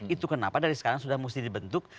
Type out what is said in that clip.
itu kenapa dari sekarang sudah mesti dibentuk